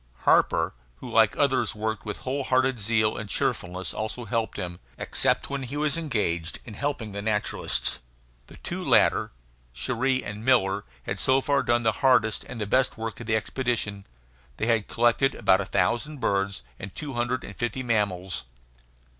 Harper, who like the others worked with whole hearted zeal and cheerfulness, also helped him, except when he was engaged in helping the naturalists. The two latter, Cherrie and Miller, had so far done the hardest and the best work of the expedition. They had collected about a thousand birds and two hundred and fifty mammals.